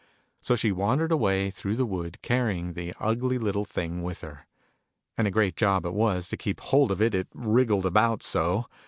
So she wandered away, through the wood, carrying the ugly little thing with her. And a gieat job it was to keep hold of it, it wriggled about so.